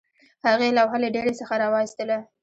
هغې لوحه له ډیرۍ څخه راویستله